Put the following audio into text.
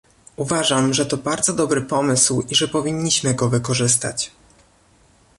Uważam, że to bardzo dobry pomysł i że powinniśmy go wykorzystać